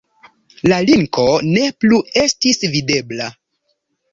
La linko ne plu estis videbla.